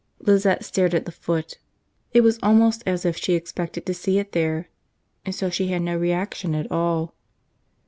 Lizette stared at the foot. It was almost as if she expected to see it there and so she had no reaction at all.